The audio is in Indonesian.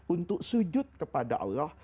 untuk sujud kepada allah